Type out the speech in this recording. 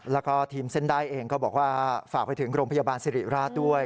แล้วก็ทีมเส้นได้เองก็บอกว่าฝากไปถึงโรงพยาบาลสิริราชด้วย